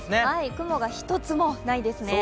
雲が一つもないですね。